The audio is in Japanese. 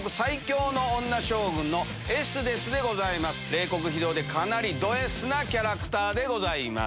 冷酷非道でかなりドＳなキャラクターでございます。